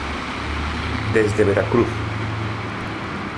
desde Veracruz.